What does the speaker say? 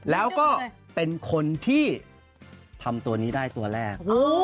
แล้วก็เป็นคนที่ทำตัวนี้ได้ตัวแรก